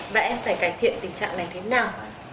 và em phải cải thiện tình trạng này thế nào